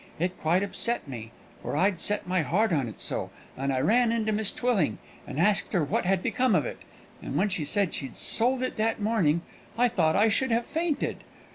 It quite upset me, for I'd set my heart on it so; and I ran in to Miss Twilling, and asked her what had become of it; and when she said she'd sold it that morning, I thought I should have fainted.